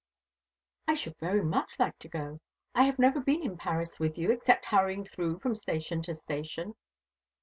"I should like very much to go. I have never been in Paris with you, except hurrying through from station to station."